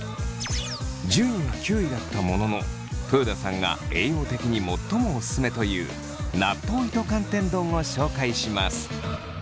順位は９位だったものの豊田さんが栄養的に最もオススメという納豆糸寒天丼を紹介します。